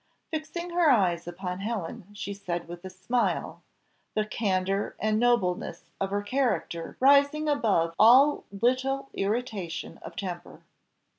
Fixing her eyes upon Helen, she said with a smile, the candour and nobleness of her character rising above all little irritation of temper.